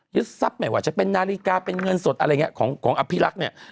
ยึดทรัพย์ไหมวะจะเป็นนาฬิกาเป็นเงินสดอะไรเงี้ยของอภิรักษ์เนี่ย